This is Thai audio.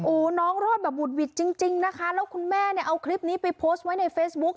โอ้โหน้องรอดแบบบุดหวิดจริงจริงนะคะแล้วคุณแม่เนี่ยเอาคลิปนี้ไปโพสต์ไว้ในเฟซบุ๊ค